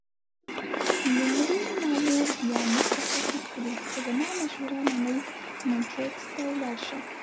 لومړي مامور بیا موږ مخاطب کړو: که زما مشوره منې مونټریکس ته ولاړ شه.